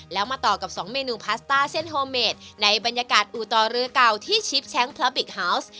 แล้วมาต่อกับ๒เมนูพาสต้าเส้นโฮเมดในบรรยากาศอู่ต่อเรือเก่าที่ชิปแชมป์พลาบิกฮาวส์